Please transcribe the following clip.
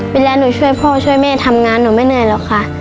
เวลาหนูช่วยพ่อช่วยแม่ทำงานหนูไม่เหนื่อยหรอกค่ะ